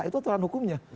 itu aturan hukumnya